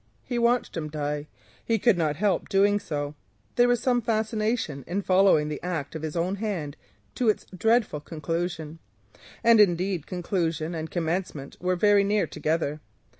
He watched him die, he could not help doing so, there was some fascination in following the act of his own hand to its dreadful conclusion, and indeed conclusion and commencement were very near together.